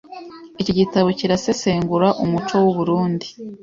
Iki gitabo kirasesengura umuco w’u Burunndi